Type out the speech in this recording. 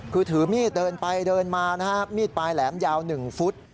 คือถือมีดเดินไปเดินมานะฮะมีดปลายแหลมยาว๑ฟุต